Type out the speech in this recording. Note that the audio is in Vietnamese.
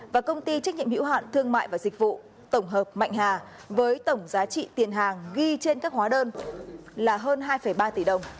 và công ty trách nhiệm hữu hạn thương mại và dịch vụ tổng hợp mạnh hà với tổng giá trị tiền hàng ghi trên các hóa đơn là hơn hai ba tỷ đồng